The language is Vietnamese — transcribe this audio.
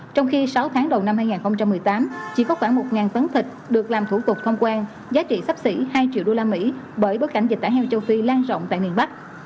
trong khi sáu tháng đầu năm hai nghìn một mươi tám chỉ có khoảng một tấn thịt được làm thủ tục thông quan giá trị sắp xỉ hai triệu usd bởi bối cảnh dịch tả heo châu phi lan rộng tại miền bắc